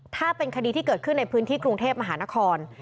ถ้าเป็นคดีที่เกิดขึ้นในพื้นที่กรุงเทพมหานคร